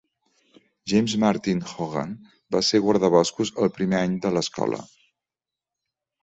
James Martin Hogan va ser guardaboscos el primer any de l'escola.